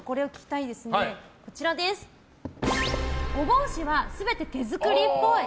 お帽子は全て手作りっぽい。